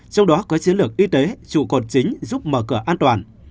trong đó có chiến lược y tế trụ cột chính giúp mở cửa an toàn